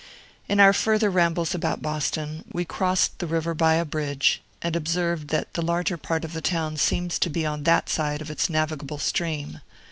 In our further rambles about Boston, we crossed the river by a bridge, and observed that the larger part of the town seems to be on that side of its navigable stream.